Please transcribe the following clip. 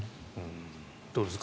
どうですか？